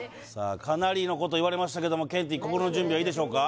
かなりのこと言われましたけどもケンティー心の準備はいいでしょうか？